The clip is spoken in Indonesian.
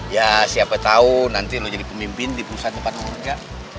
ya siapa tahu nanti lo jadi pemimpin di perusahaan tempat umumnya